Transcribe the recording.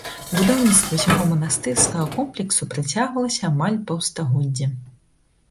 Будаўніцтва ўсяго манастырскага комплексу працягвалася амаль паўстагоддзя.